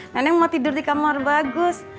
nenek mau tidur di kamar bagus